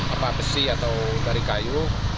apa besi atau dari kayu